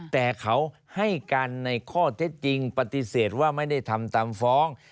แต่เขาให้การในข้อเท็จจริงปฏิเสธว่าไม่ได้ทำตามฟ้อง